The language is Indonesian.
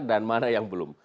dan mana yang belum